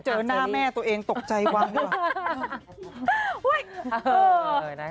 เจอหน้าแม่ตัวเองตกใจว้างดีกว่า